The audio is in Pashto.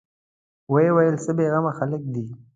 ويې ويل: څه بېغمه خلک دي.